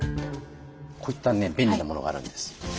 こういったね便利なものがあるんです。